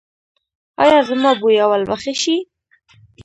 ایا زما بویول به ښه شي؟